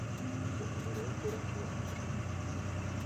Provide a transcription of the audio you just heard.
Үкенергә тура киләсәк!